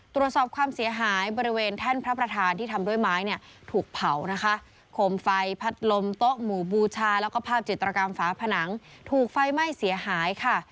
ตรวจสอบความเสียหายบริเวณแท่นพระประธานที่ทำด้วยไม้เนี่ยถูกเผานะคะโคมไฟพัดลมโต๊ะหมู่บูชาแล้วก็ภาพจิตรกรรมฝาผนังถูกไฟไหม้เสียหายค่ะ